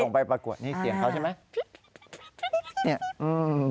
ไปประกวดนี่เสียงเขาใช่ไหม